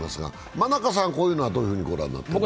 真中さん、こういうのはどう御覧になってますか？